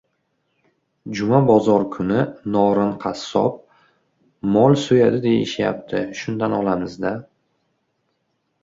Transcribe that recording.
— Juma bozor kuni Norin qassob mol so‘yadi deyishayapti, shundan olamiz-da.